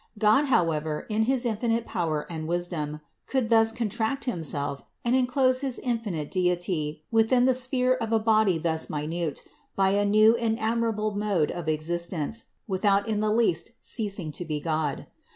God, how ever, in his infinite power and wisdom, could thus contract Himself and enclose his infinite Deity within the sphere of a body thus minute by a new and admirable mode of existence, without in the least ceasing to be God.